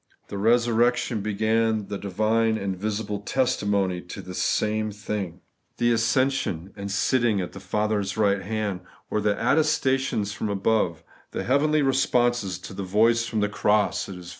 The resurrection began the divine and visible testimony to this same thing. The ascension, and 'sitting* at the Father's right hand, were the attestations from above, — the heavenly responses to the voice from the cross, ' It is finished.'